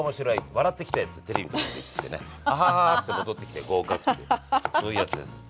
笑ってきて」っつってテレビの所行ってね「ハハハハ！」っつって戻ってきて合格っていうそういうやつです。